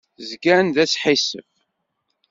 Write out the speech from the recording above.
Zgan d asḥissef.